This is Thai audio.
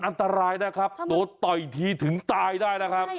อันตรายนะครับโดนต่อยทีถึงตายได้นะครับ